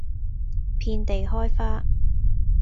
遍地開花